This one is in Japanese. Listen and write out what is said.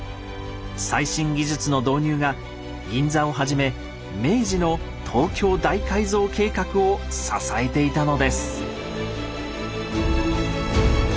最新技術の導入が銀座をはじめ明治の東京大改造計画を支えていたのです。